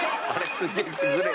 すげえ崩れる。